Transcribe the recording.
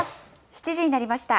７時になりました。